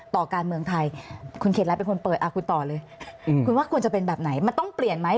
ต่อการเมืองไทยคุณเขตรัฐเป็นคนเปิดคุณต่อเลยคุณว่าควรจะเป็นแบบไหนมันต้องเปลี่ยนไหม